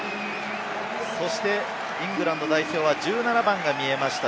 そしてイングランド代表は１７番が見えました。